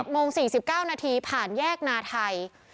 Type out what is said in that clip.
โมง๔๙นาทีผ่านแยกนาไทย